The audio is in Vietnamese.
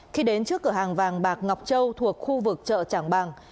khi đến trước cửa hàng vàng bạc ngọc châu thuộc khu vực chợ trảng bàng